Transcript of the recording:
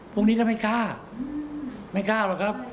พวกนี้ก็ไม่กล้าไม่กล้าหรอกครับ